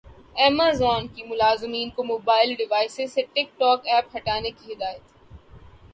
Amazon کی ملازمین کو موبائل ڈیوائسز سے ٹک ٹاک ایپ ہٹانے کی ہدایت